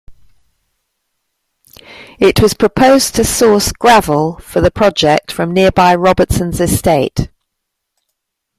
It was proposed to source gravel for the project from nearby Robertson's Estate.